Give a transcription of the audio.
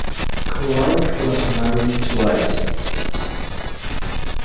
Clark was married twice.